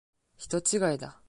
人違いだ。